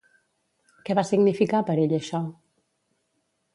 Què va significar per ell això?